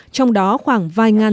trong đó khoảng vài ngàn